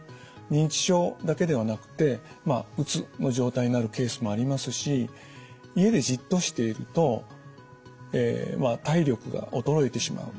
認知症だけではなくてうつの状態になるケースもありますし家でじっとしていると体力が衰えてしまう。